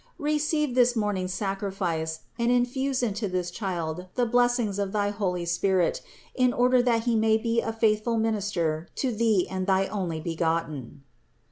Receive this morning's sacrifice, and infuse into this child the blessings of thy holy Spirit, in order that he may be a faithful minister to Thee and to thy Onlybegotten."